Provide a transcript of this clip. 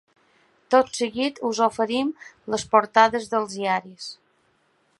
Tot seguit us oferim les portades dels diaris.